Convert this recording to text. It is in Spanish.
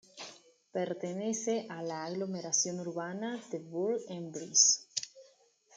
Pertenece a la aglomeración urbana de Bourg-en-Bresse.